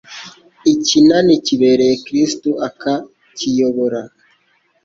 Ikinani kibereye Kristu akakiyobora